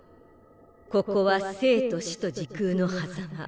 ここは生と死と時空の狭間。